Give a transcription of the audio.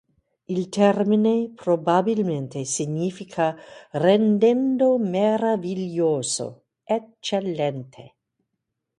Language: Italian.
Il termine probabilmente significa "rendendo meraviglioso, eccellente".